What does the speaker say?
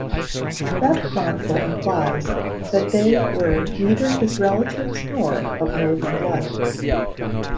That chronicle implies that they were neither his relatives nor of noble blood.